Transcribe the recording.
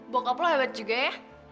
bokap lo hebat juga ya